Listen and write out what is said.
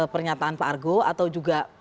pernyataan pak argo atau juga